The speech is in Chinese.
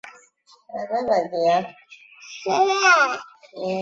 机械工艺设计是连接机械设计和制造的桥梁。